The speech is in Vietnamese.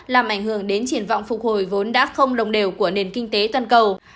làm ảnh hưởng đến triển vọng phục hồi vốn đã không đồng đều của nền kinh tế toàn cầu